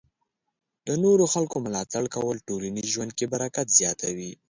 د نورو خلکو ملاتړ کول ټولنیز ژوند کې برکت زیاتوي.